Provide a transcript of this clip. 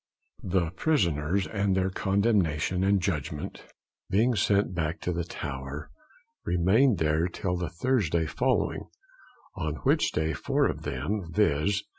The prisoners, after their condemnation and judgment, being sent back to the Tower, remained there till the Thursday following, on which day four of them, viz.